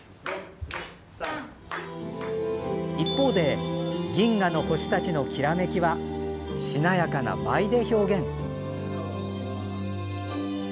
一方で銀河の星たちのきらめきはしなやかな舞で表現。